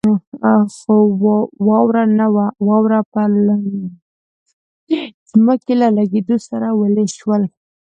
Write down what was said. خو واوره نه وه، واوره پر لوندې ځمکې له لګېدو سره ویلې شول.